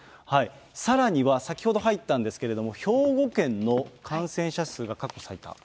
さらには先ほど入ったんですけれども、兵庫県の感染者数が過去最多と。